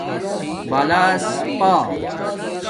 بُلاس پݳ